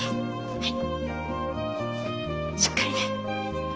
はい。